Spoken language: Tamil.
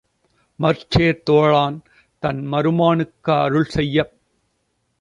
மற்சேர் தோளான் தன்மரு மானுக் கருள்செய்யப்